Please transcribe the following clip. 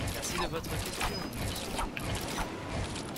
Merci de votre question, monsieur le député Folliot.